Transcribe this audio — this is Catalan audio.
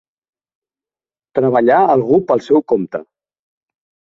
Treballar algú pel seu compte.